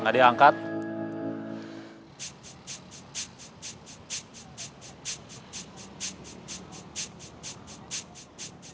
tidak ada yang mengangkat